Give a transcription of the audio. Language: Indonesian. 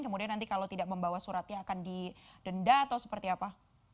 kemudian nanti kalau tidak membawa suratnya akan didenda atau seperti apa